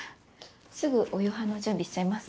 すぐお夕飯の準備しちゃいます。